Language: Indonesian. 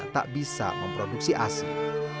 tidak bisa memproduksi asih